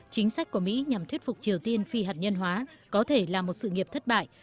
chính sách của mỹ nhằm thuyết phục triều tiên phi hạt nhân hóa có thể là một sự nghiệp thất bại